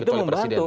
justru itu membantu